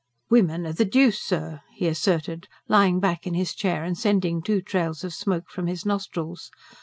"Women are the deuce, sir," he asserted, lying back in his chair and sending two trails of smoke from his nostrils.